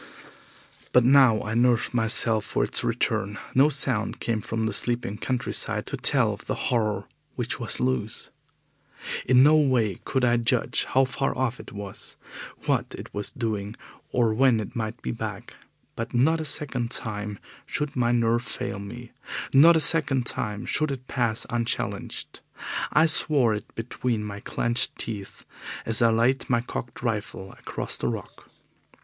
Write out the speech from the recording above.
But now I nerved myself for its return. No sound came from the sleeping countryside to tell of the horror which was loose. In no way could I judge how far off it was, what it was doing, or when it might be back. But not a second time should my nerve fail me, not a second time should it pass unchallenged. I swore it between my clenched teeth as I laid my cocked rifle across the rock.